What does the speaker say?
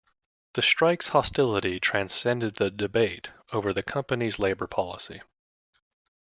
The strike's hostility transcended the debate over the company's labor policy.